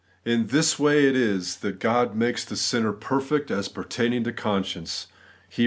In this way it is that God makes the sinner ' perfect as pertaining to the conscience ' (Heb.